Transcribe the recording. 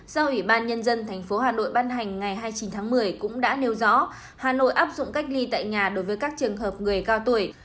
do ủy ban nhân dân tp hà nội ban hành ngày hai mươi chín tháng một mươi cũng đã nêu rõ hà nội áp dụng cách ly tại nhà đối với các trường hợp người cao tuổi